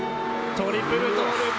トリプルトーループ。